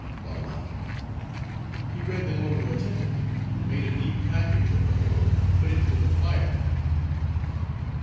BABBALANJA—He read them over attentively; made a neat package of the whole: and put it into the fire.